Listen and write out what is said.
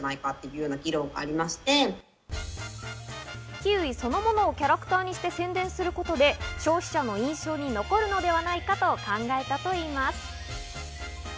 キウイそのものをキャラクターにして宣伝することで消費者の印象に残るのではないかと考えたといいます。